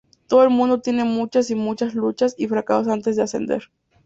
Todo el mundo tiene muchas y muchas luchas y fracasos antes de ascender".